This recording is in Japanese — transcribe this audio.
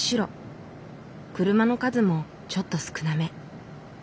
車の数もちょっと少なめ。